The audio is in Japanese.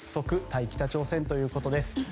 対北朝鮮ということです。